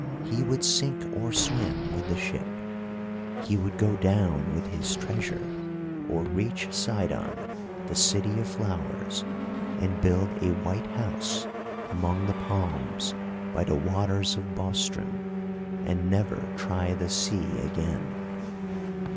He would sink or swim with the ship; he would go down with his treasure, or reach Sidon, the City of Flowers, and build a white house among the palms by the waters of Bostren, and never try the sea again.